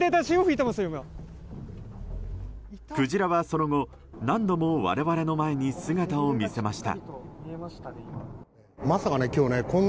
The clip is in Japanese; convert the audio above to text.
クジラはその後、何度も我々の前に姿を見せました。